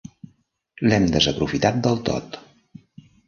L'hem desaprofitat del tot.